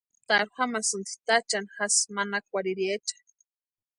Juatarhu jamasïnti táchani jasï manakwarhiriecha.